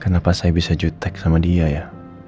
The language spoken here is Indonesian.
kenapa saya bisa jutek sama dia ya